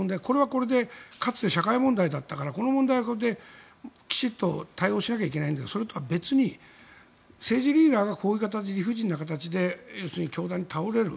これはかつて社会問題だったからこの問題はこれできちんと対応しなきゃいけないのでそれとは別に政治リーダーがこういう形理不尽な形で凶弾に倒れる。